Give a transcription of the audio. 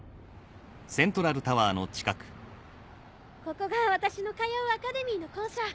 ここが私の通うアカデミーの校舎。